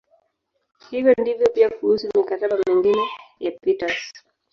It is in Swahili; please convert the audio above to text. Hivyo ndivyo pia kuhusu "mikataba" mingine ya Peters.